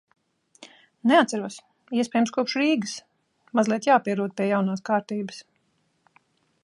Neatceros - iespējams, kopš Rīgas. Mazliet jāpierod pie jaunās kārtības.